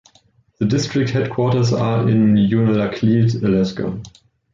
The district headquarters are in Unalakleet, Alaska.